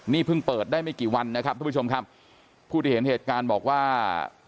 นี่เพิ่งเปิดได้ไม่กี่วันนะครับทุกผู้ชมครับผู้ที่เห็นเหตุการณ์บอกว่า